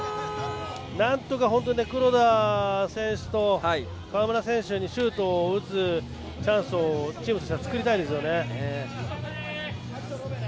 なんとか黒田選手と川村選手にシュートを打つチャンスをチームとしては作りたいですよね。